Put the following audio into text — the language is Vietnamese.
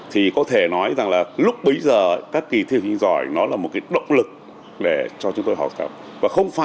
thì có thể nói rằng là lúc bấy giờ các kỳ thi học sinh giỏi nó là một cái động lực để cho chúng tôi học học